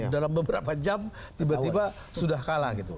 dalam beberapa jam tiba tiba sudah kalah gitu